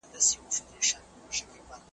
زرمل